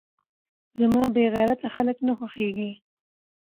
زما بې غيرته خلک نه خوښېږي .